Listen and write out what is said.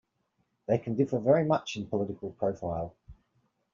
They can differ very much in political profile.